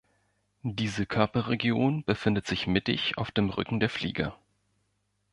Diese Körperregion befindet sich mittig auf dem Rücken der Fliege.